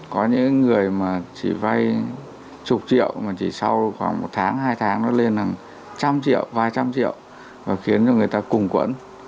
có những người mà chỉ vay chục triệu mà chỉ sau khoảng một tháng hai tháng nó lên hàng trăm triệu vài trăm triệu và khiến cho người ta cùng quẫn